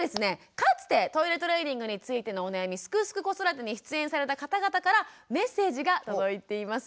かつてトイレトレーニングについてのお悩み「すくすく子育て」に出演された方々からメッセージが届いています。